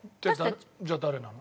じゃあ誰なの？